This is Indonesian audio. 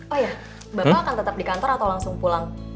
oh ya bapak akan tetap di kantor atau langsung pulang